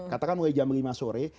katakan mulai jam lima sore